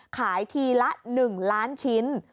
ขายทีละ๑ล้านชิ้น